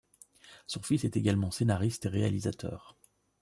Son fils est également scénariste et réalisateur.